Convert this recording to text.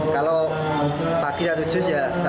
kalau pagi satu jus ya